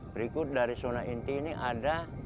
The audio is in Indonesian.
berikut dari zona inti ini ada